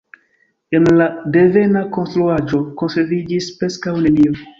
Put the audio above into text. El la devena konstruaĵo konserviĝis preskaŭ nenio.